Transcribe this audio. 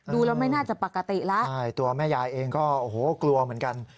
ดูแล้วไม่น่าจะปกติแล้วใช่ตัวแม่ยายเองก็โอ้โหกลัวเหมือนกัน